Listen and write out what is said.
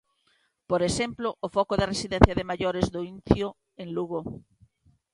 Por exemplo, o foco da residencia de maiores do Incio, en Lugo.